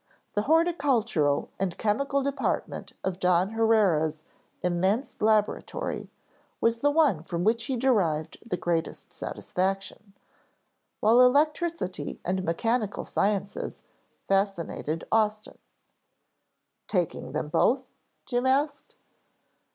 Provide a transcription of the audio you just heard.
The horticultural and chemical department of Don Haurea's immense laboratory was the one from which he derived the greatest satisfaction; while electricity and mechanical sciences fascinated Austin. "Taking them both?" Jim asked.